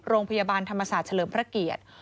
โรงพยาบาลธรรมศาสตร์เฉลิมพระเกียรติ